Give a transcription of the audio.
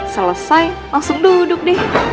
selesai langsung duduk deh